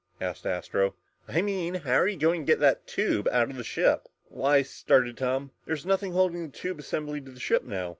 asked Astro. "I mean how are you going to get the tube out of the ship?" "Why," started Tom, "there's nothing holding that tube assembly to the ship now.